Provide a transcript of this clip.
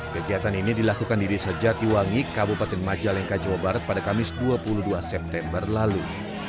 kegiatan ini dilakukan di desa jatiwangi kabupaten majalengka jawa barat pada kamis dua puluh dua september lalu